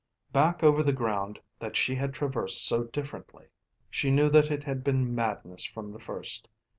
Back over the ground that she had traversed so differently. She knew that it had been madness from the first.